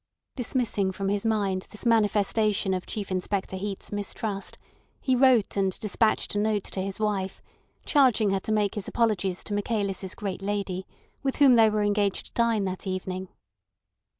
Dismissing from his mind this manifestation of Chief Inspector Heat's mistrust, he wrote and despatched a note to his wife, charging her to make his apologies to Michaelis' great lady, with whom they were engaged to dine that evening.